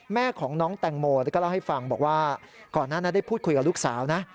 แม่ของน้องแตงโมก็เล่าให้ฟังบอกว่าก่อนหน้านั้นได้พูดคุยกับลูกสาวนะ